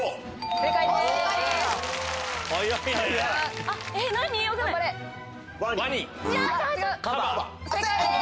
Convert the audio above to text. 正解です。